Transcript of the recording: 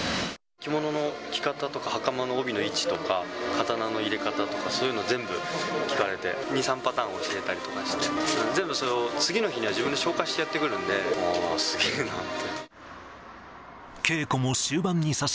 着物の着方とか、はかまの帯の位置とか、刀の入れ方とか、そういうの全部、聞かれて、２、３パターン教えたりとかして、全部それを次の日には自分で消化してやってくるんで、すげぇなと。